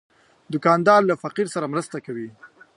دوکاندار له فقیر سره مرسته کوي.